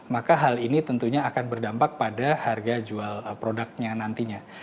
maka hal ini tentunya akan berdampak pada harga jual produknya nantinya